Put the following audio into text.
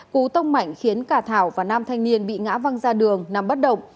cú tông mạnh khiến cả thảo và nam thanh niên bị ngã văng ra đường nằm bất động